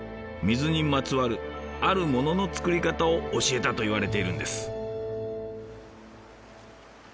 水にまつわるある物の作り方を教えたといわれているんです。